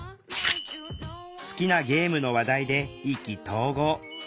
好きなゲームの話題で意気投合。